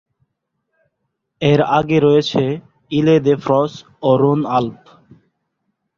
এর আগে রয়েছে ইলে-দে-ফ্রঁস ও রোন-আল্প।